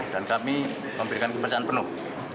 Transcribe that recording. dan kami memberikan kebencian penuh